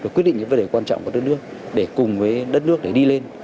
quyết định những vấn đề quan trọng của đất nước để cùng với đất nước để đi lên